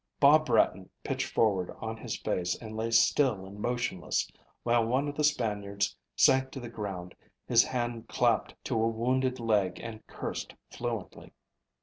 Bob Bratton pitched forward on his face and lay still and motionless, while one of the Spaniards sank to the ground, his hand clapped to a wounded leg and cursed fluently.